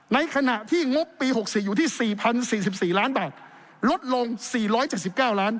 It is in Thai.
ในขณะที่งบปีหกสี่อยู่ที่สี่พันสี่สิบสี่ล้านบาทลดลงสี่ร้อยจากสิบเก้าร้าน